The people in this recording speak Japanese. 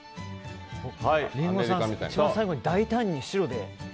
リンゴさん、一番最後に大胆に白で締めましたね。